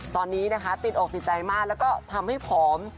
ตอนนี้นะคะติดอกติดใจมากแล้วก็ทำให้ผอม